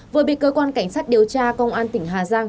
vừa bị cơ quan cảnh sát điều tra công an tỉnh hà giang